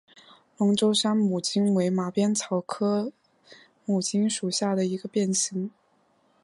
龙州山牡荆为马鞭草科牡荆属下的一个变型。